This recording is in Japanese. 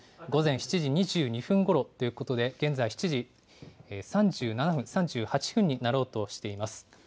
午前７時２２分ごろということで、現在７時３７分、３８分になろうとしています。